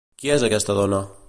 Qui és aquesta dona?